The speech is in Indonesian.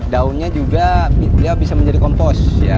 daunnya juga dia bisa menjadi kompos